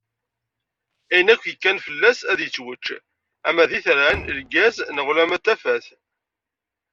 Ayen akk yekkan fell-as ad yettwačč, ama d itran, lgaz neɣ ulamma d tafat.